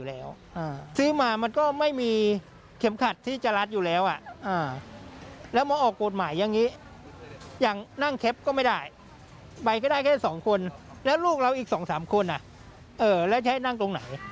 แล้วมันออกกฎหมายอย่างนี้อย่างนั่งแคปก็ไม่ได้ไปก็ได้แค่สองคนแล้วลูกเราอีกสองสามคนแล้วใช้นั่งตรงไหน